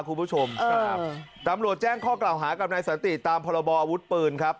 ครับตำรวจแจ้งข้อกล่าวหากับนายสวัสดีตามพรบออวุธปืนครับ